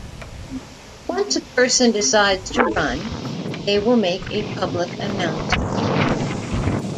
Once a person decides to run, they will make a public announcement.